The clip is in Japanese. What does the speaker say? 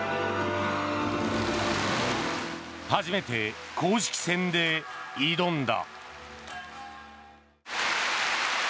初めて公式戦で挑んだ。